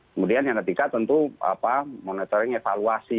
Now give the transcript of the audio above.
kemudian yang ketiga tentu monitoring evaluasi